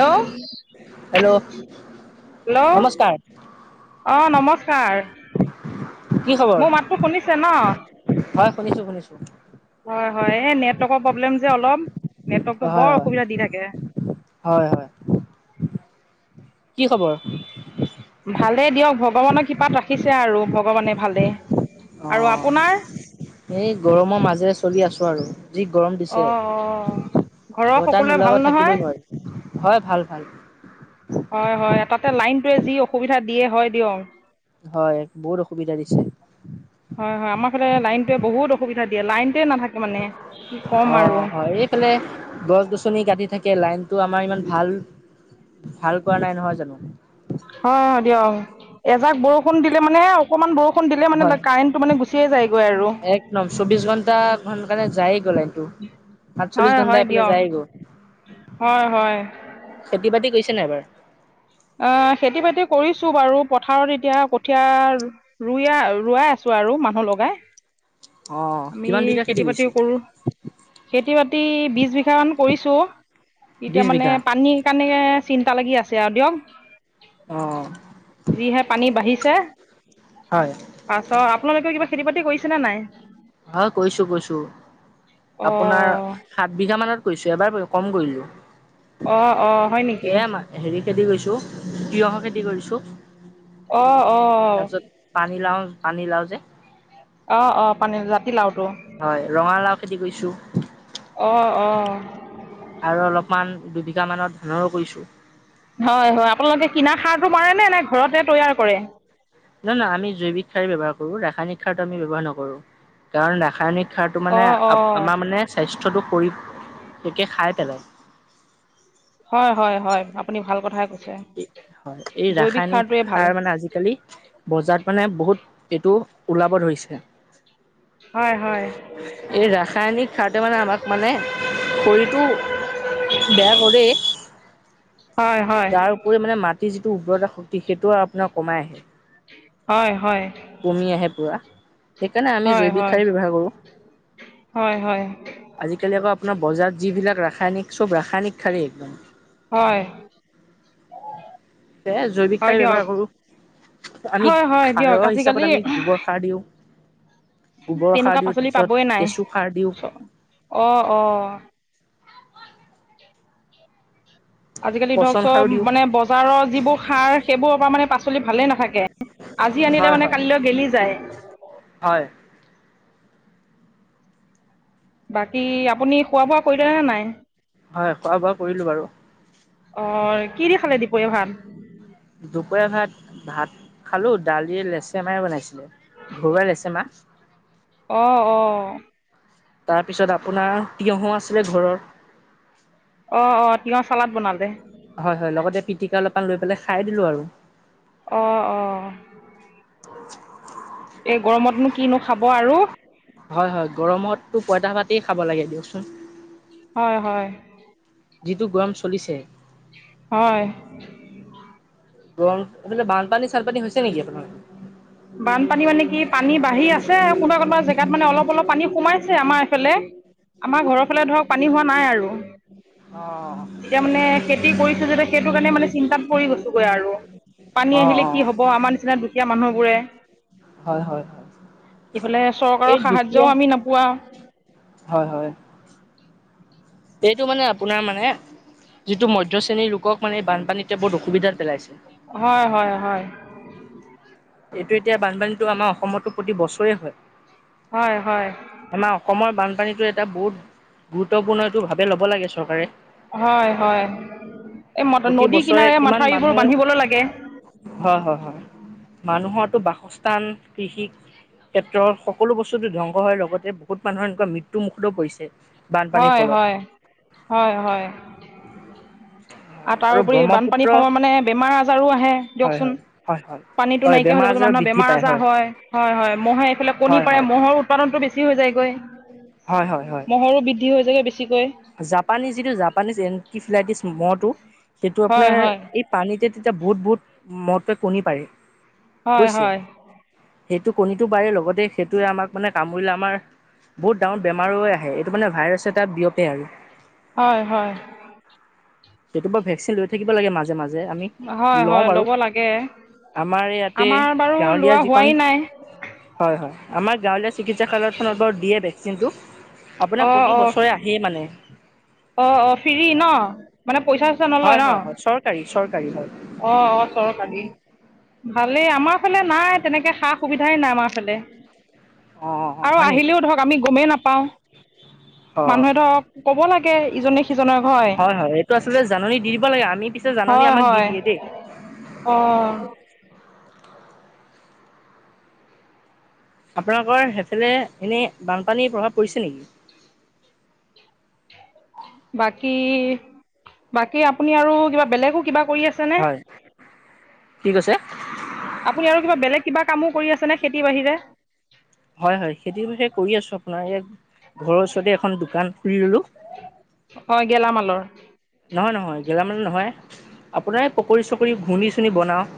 Hello hello hello, নমস্কাৰ অ নমস্কাৰ। কি খবৰ মোৰ মাতটো শুনিছে ন? হয় শুনিছো, শুনিছো। হয়, হয়, এই নেটৱৰ্কৰ প্ৰব্লেম যে অলপ। নেটৱৰ্কটো হয় বৰ হয় অসুবিধা দি থাকে। হয় হয় কি খবৰ? ভালে দিয়ক ভগৱানক কৃপাত ৰাখিছে আৰু ভগৱানে ভালে। অ', এই গৰমৰ মাজেৰে চলি আছো আৰু। যি গৰম দিছে, অঁ অঁ ঘৰৰ বতাহ সকলোৱে ভাল নোলাকৈ নহয় থাকিবই নোৱাৰি। হয় ভাল-ভাল। হয়, হয়, তাতে লাইনটোৱে যি অসুবিধা দিয়ে, হয় দিয়ক। হয়, বহুত অসুবিধা দিছে। হয়, হয়, আমাৰ ফালে লাইনটোৱে বহুত অসুবিধা দিয়ে, লাইনটোৱে নাথাকে মানে। কি ক'ম অ আৰু হয়, এইফালে গছ-গছনি কাটি থাকে লাইন টো আমাৰ ইমান ভাল, ভাল কৰা নাই নহয় জানো? হয়, হয় দিয়ক, এজাক বৰষুণ দিলে মানে অকণমান বৰষ হয়, আৰু একদম চৌবিশ ঘন্টা [unintelligible] যায় গ'ল এইটো। আঠচল্লিশ হয় ঘণ্টা হয় এইফালে দিয়ক যায়গ'। হয়, হয়। [inaudible] আ খেতি-বাতি কৰিছো বাৰু পথাৰত এতিয়া কঠীয়া ৰুইয়া-ৰোৱাই আছো। আৰু মানুহ লগাই, অ আমি কিমান বিঘা খেতি কৰিছে খেতি-বাতিও কৰো। খেতি-বাতি বিছ বিঘা মান কৰিছো, এতিয়া বিশ মানে বিঘা পানীৰ কাৰণে চিন্তা লাগি আছে আৰু দিয়ক। অ'। যিহে পানী বাঢ়িছে, হয়, পাছত আপোনালোকে কিবা খেতি-বাতি কৰিছেনে নাই? হয় কৈছো-কৈছো আপোনাৰ অঁ সাত বিঘা মানত কৈছো এবাৰ কম কৰিলোঁ। অ, অ, হয় নেকি? খেতি কৰিছো, তিয়হো খেতি কৰিছো, অঁ অঁ তাৰপিছত পানীলাও পানী লাও যে। অ, অ, পানীজাত হয় ৰঙালাও খেতি কৰিছো। অ, অ। আৰু অলপমান দুবিঘা মানত ধানৰো কৰিছোঁ। হয়, হয়, আপোনালোকে কিনা সাৰটো মাৰে নে, নে ঘৰতে তৈয়াৰ কৰে? নহয় নহয় আমি জৈৱিক সাৰেই ব্যৱহাৰ কৰো, ৰাসায়নিক সাৰতো আমি ব্যৱহাৰ নকৰো, কাৰণ ৰাসায়নিক শিক্ষাটো অ', মানে অ', আমাৰ মানে স্বাস্থ্যটো কৰি। তোকে খাই পেলাই। হয়, হয়, হয়, আপুনি ভাল কথাই কৈছে। হয়, এই জৈৱিক ৰাসায়নিক সাৰটোৱে ভাল। সাৰ মানে আজিকালি বজাৰত মানে বহুত এইটো ওলাব ধৰি পইছা হয়। হয়, এই ৰাসায়নিক সাৰটোৱে মানে আমাক মানে শৰীৰটো বেয়া কৰে হয় হয়। কৰি মানে মাটিৰ যিটো উৰ্বৰতা শক্তি সেইটো আৰু আপোনাৰ কমাই আহে। হয়, হয়। কমি আহে পুৰা সেইকাৰণে আমি হয়, হয়, জৈৱিক সাৰেই ব্যৱহাৰ কৰো। হয়, হয়, আজিকালি আকৌ আপোনাৰ বজাৰত যিবিলাক ৰাসায়নিক চব ৰাসায়নিক সাৰেই একদম। হয়। এ জৈৱিক হয় সাৰে দিয়ক। ব্যৱহাৰ কৰো। আমি হয়, হয় দিয়ক খাৰৰ আজিকালি হিচাপত আমি গোবৰ সাৰ দিওঁ। গোবৰ সাৰ তেনেকুৱা দিওঁ পাচলি তাৰপিছত পাবই নাই কেঁচু সাৰ দিওঁ চ অ', অ', আজিকালি ধৰক পচন সাৰো চব দিওঁ মানে বজাৰৰ যিবোৰ সাৰ সেইবোৰৰ পৰা মানে পাচলি ভালেই নাথাকে আজি হয় আনিলে মানে হয় কালিলৈ গেলি যায়। হয়। বাকী আপুনি খোৱা বোৱা কৰিলে নে নাই? হয়, খোৱা বোৱা কৰিলো বাৰু। অ', কি দি খালে দিপৰীয়া ভাত? খালো দালিয়ে লেচেমাহ বনাইছিলে ঘৰুৱা লেচেমাহ। অ', অ', তাৰপিছত আপোনাৰ তিয়হ আছিলে ঘৰৰ। অ অ তিঁয়হ চালাদ বনালে? হয় হয় লগতে পিটিকা অলপমান লৈ পেলাই খাই দিলো আৰু। অ অ। [inaudible] এই গৰমতনো কিনো খাব আৰু। হয় হয় গৰমতো পইতা ভাতে খাব লাগে দিয়কচোন। হয় হয়। যিটো গৰম চলিছে। হয়। গৰম এইফালে বানপানী চানপানী হৈছে নেকি আপোনাৰ বানপানী মানে কি পানী বাঢ়ি আছে কোনোবা কোনোবা জেগাত মানে অলপ অলপ পানী সোমাইছে আমাৰ এইফালে। আমাৰ ঘৰৰ ফালে ধৰক পানী হোৱা নাই আৰু। অ যেতিয়া মানে খেতি কৰিছো যেতিতে সেইটো কাৰণে মানে চিন্তাত পৰি গৈছো। গয় আৰু পানী অ আহিলে অ কি হব আমাৰ নিচিনা দুখীয়া মানুহবোৰে হয় হয় হয়। ইফালে এই চৰকাৰৰ সাহায্যও দুখীয়া আমি নোপোৱা। হয় হয়। এইটো মানে আপোনাৰ মানে যিটো মধ্য শ্ৰেণীৰ লোকক মানে বানপানীতে বহুত অসুবিধাত পেলাইছে। হয় হয় হয়। এইটো এতিয়া বানপানীটো আমাৰ অসমতো প্ৰতি বছৰেই হয়। হয় হয় আমাৰ অসমৰ বানপানীটো এটা বহুত গুৰুত্বপূৰ্ণ টো ভাবে ল'ব লাগে চৰকাৰে। হয় হয় এই মত প্ৰতি নদী বছৰে কিনাৰে কিমান মাথাউবোৰ মানুহ বান্ধিবলৈ লাগে মানুহৰতো বাসস্থান কৃষি ক্ষেত্ৰত সকলো বস্তুটো ধ্বংস হয় লগতে বহুত মানুহৰ এনেকুৱা মৃত্যু মুখতো পৰিছে। বানপানীৰ হয় - ফলত হয় - হয়। আৰু আৰু তাৰপৰি ব্ৰহ্মপুত্ৰ বানপানীৰ সময়ত মানে বেমাৰ আজাৰো আহে হয় দিয়কচোন হয় হয় হয় পানীটো হয় নাইকিয়া হৈ বেমাৰ যাব আজাৰ মান বৃদ্ধি বেমাৰ পায় আজাৰ হয়, হয়-হয় মহে এইফালে কণী হয় পাৰে, হয় মহৰ উৎপাদনতটো বেছি হৈ যায়গৈ। হয়- হয়- হয়। মহৰো হৈ বৃদ্ধি যে [unintelligible] জাপানী যিটো জাপানীজ এনকিফিলাইটিছ মহ'টো সেইটো হয় আপোনাৰ হয় এই পানীতে তেতিয়া বহুত বহুত মহে কণী পাৰি হয় - হয়। সেইটো কণীটো পাৰে লগতে সেইটোৱে আমাক মানে কামুৰিলে আমাৰ বহুত ডাঙৰ বেমাৰ হৈ আহে এইটো মানে ভাইৰাছে এটা বিয়পে আৰু। হয় - হয়। যটোপা ভেকচিন লৈ থাকিব লাগে মাজে - মাজে আমি হয় লও হয় বাৰু। ল'ব লাগে আমাৰ ইয়াতে আমাৰ বাৰু গাৱলীয়া লোৱা যিখন হোৱাই নাই হয় - হয়। আমাৰ গাৱলীয়া চিকিৎসালয়খনত বাৰু দিয়ে ভেকচিনটো। আপোনাৰ অ প্ৰতি - অ বছৰে আহেই মানে - অ - অ, ফ্ৰী ন মানে পইচা চইচা নলয় হয় ন হয় হয় চৰকাৰী চৰকাৰী হয় অ - অ চৰকাৰী ভালেই আমাৰ ফালে নাই তেনেকে সা সুবিধাই নাই আমাৰ ফালে। অ অ অ আৰু হয় নেকি আহিলেও ধৰক আমি গমেই নাপাও অ মানুহে ধৰক কব লাগে ইজনে হয়- হয় এইটো আচলতে জাননী দি দিব লাগে আমি পিছে জাননী হয় আমাক দি হয় দিয়ে। দেই অ', আপোনালোকৰ হেফালে এনেই বানপানীৰ প্ৰভাৱ পৰিছে নেকি। [inaudible] বাকী - বাকী আপুনি আৰু কিবা বেলেগো কিবা কৰি আছেনে। হয় কি কৈছে? আপুনি আৰু কিবা বেলেগ কিবা কামো কৰি আছে নে খেতি বাহিৰে। হয় - হয় খেতি হে কৰি আছো আপোনাৰ এ ঘৰৰ ওচৰতে এখন দোকান। খুলি ললো অ, গেলামালৰ। নহয় - নহয় গেলামাল নহয় আপোনাৰ পকৰি চকৰি ঘূগুনী চুগুনী বনাও।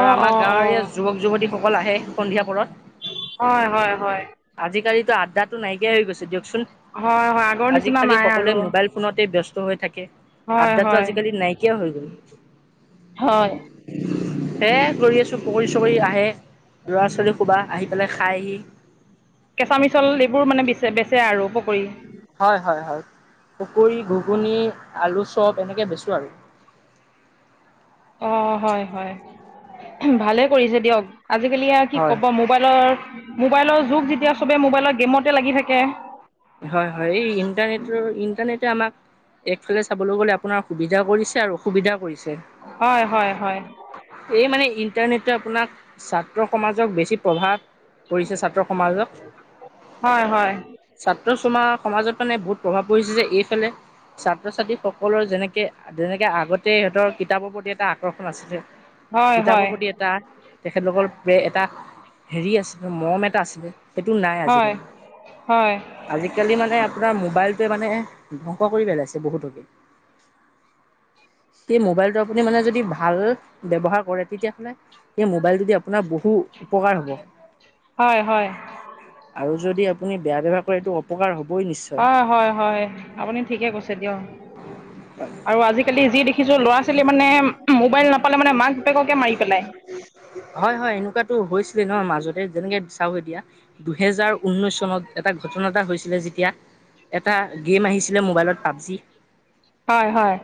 অ অ আমাৰ অ গাৱৰীয়া যুৱক যুৱতীসকল আহে সন্ধিয়া পৰত। হয় হয় - হয়। আজিকালিতো আড্ডাটো নাইকিয়া হৈ গৈছে দিয়কচোন হয় হয় আগৰ আজি নিচিনা খালি নাই সকলোৱে আৰু মোবাইল ফোনতে ব্যস্ত হৈ হয় আড্ডাটো হয় আজিকালি নাইকিয়া হৈ গ'ল। হয় এ কৰি আছো পক [unintelligible] চৰি আহে ল'ৰা ছোৱালী খোবা আহি পেলাই খাইহি। কেঁচা মিছল, এইবোৰ মানে বেচে আৰু পকৰি। হয় - হয় - হয় পকুৰী ঘুগুনি আলু চপ এনেকৈ বেচো আৰু। অ' হয়-হয় ভালে কৰিছে দিয়ক। আজিকালি কি হয় ক'ব মোবাইলৰ মোবাইলৰ যুগ যেতিয়া চবে মোবাইলৰ গেমতে লাগি থাকে। হয় - হয় এই ইণ্টাৰনেটৰ - ইণ্টাৰনেটে আমাক একফালে চাবলৈ গলে আপোনাৰ সুবিধা কৰিছে আৰু অসুবিধা কৰিছে হয় হয় হয় এই মানে ইনতাৰনেটে আপোনাক ছাত্ৰ সমাজ বেছি প্ৰভাৱ পৰিছে ছাত্ৰ সমাজক হয় হয় ছাত্ৰ ছা সমাজত মানে বহুত প্ৰভাৱ পৰিছে যে এইফালে ছাত্ৰ - ছাত্ৰী সকলৰ যেনেকে যেনেকে আগতে সিহতৰ কিতাপৰ প্ৰতি এটা আকৰ্ষণ আছিলে। হয় কিতাপৰ হয় প্ৰতি এটা তেখেতলোকৰ এটা হেৰি আছিলে মৰম এটা আছিলে সেইটো নাই হয় হয় আজিকালি। হয় আজিকালি মানে আপোনাৰ মোবাইলটোৱে মানে ধ্বংস কৰি পেলাইছে বহুতকে। [inaudible] সেই মোবাইলটো আপুনি মানে যদি ভাল ব্য্ৱহাৰ কৰে তেতিয়াাহলে সেই মোবাইলটো। আপোনাৰ বহু উপকাৰ হ'ব আৰু যদি আপুনি বেয়া। ব্যৱহাৰ কৰে এইটো অপকাৰ হ'বই নিশ্চয়। হয় -হয় -হয় আপুনি ঠিকে কৈছে দিয়ক আৰু আজিকালি যি দেখিছো লৰা ছোৱালী মানে মোবাইল নাপালে মানে মাক। বাপেককে মাৰি পেলাই হয় হয় এনেকুৱাতো হৈছিলে ন মাজতে যেনেকে চাও এতিয়া। দুহেজাৰ ঊনৈশ চনত এটা ঘটনা এটা হৈছিলে যেতিয়া এটা গেম আহিছিলে মোবাইলত পাবজি হয় হয়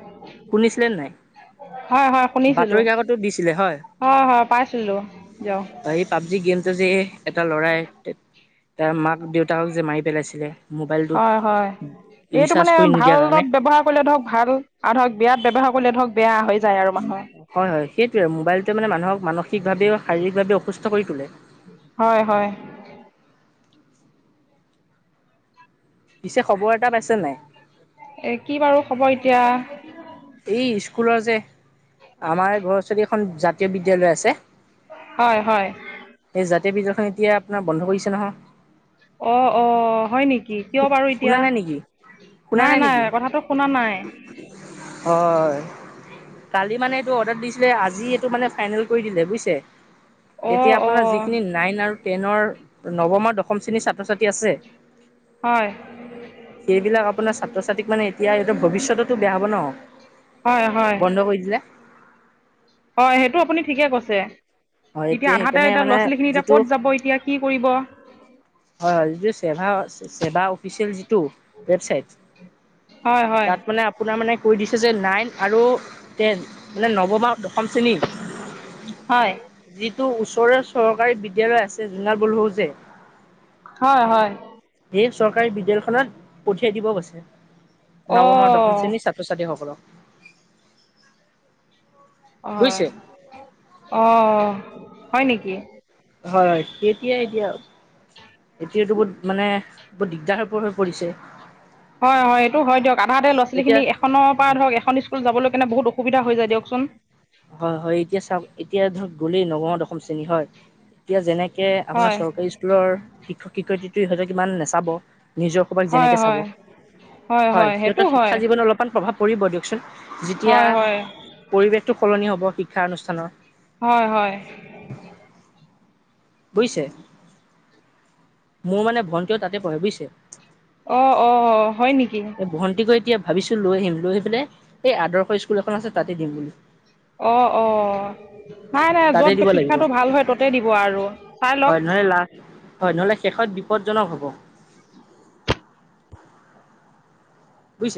শুনিছিলে নাই হয় হয় বাতৰি শুনিছিলোঁ কাকতো দিছিল। [inaudible] যে হয় হয় পাইছিলোঁ দিয়ক এটা ল'ৰাই তাৰ মাক দেউতাহক যে মাৰি পেলাইছিলে মোবাইলটোত হয় হয় এইটো ৰিচাৰ্জ মানে কৰি নিদিয়াৰ কাৰণে। ভালত ব্য্ৱহাৰ কৰিলে ধৰক ভাল আৰু ধৰক বিয়াত ব্যৱহাৰ কৰিলে ধৰক বেয়া হয় হয় হয় সেইটোয়ে মোবাইলটোে মানে মানুহক মানসিকভাৱে শাৰীৰিক ভাৱে অসুস্থ কৰি তোলে হয় -হয় পিছে খবৰ এটা পাইছে নাই। এ কি বাৰু খবৰ এতিয়া এই স্কুলৰ যে আমাৰ ঘৰ ছোৱালী এখন জাতীয় বিদ্যালয় আছে হয় হয় সেই জাতীয় গোটেই ভিতলখন এতিয়া আপোনাৰ বন্ধ কৰিছে নহয় অ- অ হয় নেকি কি কিয় বাৰু শুনা এতিয়া নাই নেকি শুনা নাই নাই নেকি কথাটো শুনা নাই। হয়। কালি মানে এইটো অৰ্ডাৰ দিছিলে আজি এইটো মানে ফাইনেল কৰি দিলে বুজ অঁ এতিয়া আপোনাৰ অঁ যিখিনি নাইন আৰু টেনৰ নৱম আৰু দশম শ্ৰেণীৰ ছাত্ৰ ছাত্ৰী আছে হয় সেইবিলাক আপোনাৰ ছাত্ৰ ছাত্ৰীক মানে এতিয়া এই ভৱিষ্যততো বেয়া হব ন হয় হয় বন্ধ কৰি দিলে। হয় সেইটো আপুনি ঠিকে কৈছে হয় এতিয়া আধাতে সেইকাৰণে এতিয়া মানে ল'ৰা ছোৱালী খিনি এতিয়া যিটো কত যাব এতিয়া কি কৰিব হয় হয় যদি চেৱা চেৱা। দিছিল যিটো ৱেবচাইট হয় হয় তাত মানে আপোনাৰ মানে কৈ দিছে যে নাইন আৰু টেন মানে নৱমা দশম শ্ৰেণী হয়। টো ওচৰৰে চৰকাৰী বিদ্য়ালয় আছে জোন বোলো যে হয় -হয় এই চৰকাৰী বিদ্যালয়খনত পঠিয়াই দিব গৈছে নৱম আৰু দশম অঁ শ্ৰেণীৰ ছাত্ৰ ছাত্ৰীসকলক। অ হয় বুজিছে অ হয় নেকি হয় হয় তেতিয়াাই এতিয়া। টো বহুত মানে বহুত দিগদাৰ ও হৈ পৰিছে হয় হয় এইটো হয় দিয়ক আধাতে লৰা ছোৱালী এতিয়া খিনি এখনৰ পৰা হয় ধৰক এখন স্কুল যাবলৈ কেণনে বহুত অসুবিধা হৈ যায়। দিয়কচোন। হয় হয় এতিয়া চাওক এতিয়া ধৰক গ'লেই নগাঁ দশম শ্ৰেণী হয় এতিয়া যেনেকে তে আপোনাৰ হয় চৰকাৰী স্কুলৰ শিক্ষক শিক্ষয়িত্ৰী হয়তো কিমান নাচাব নিজৰ সবাক হয় যেনেকে চাব হয় হয় সিহঁতৰ শিক্ষা জীৱনত অলপমান প্ৰভাৱ কৰিব দিয়কচোন যেতিয়া হয় হয় পৰিৱেশটো সলনি হ'ব শিক্ষা অনুষ্ঠানৰ হয় হয় বুজিছে মোৰ মানে ভণ্টি তাতে পঢ়ে বুজিছে অঁ অঁ হয় নেকি এই ভন্টিকো এতিয়া ভাবিছো লৈ আহিম, লৈ আহি পেলাই এই আদৰ্শ স্কুল এখন আছে তাতে দিম বুলি। অ', অ', নাই নাই, তাতে য'ত দিব লাগিব শিক্ষাটো ভাল হয়, ত'তে দিব আৰু, চাই লওঁক লা হয়, নহ'লে শেষত বিপদজনক হ'ব। বুজিছে